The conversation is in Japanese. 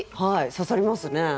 刺さりますね。